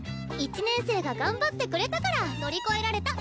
１年生が頑張ってくれたから乗り越えられた！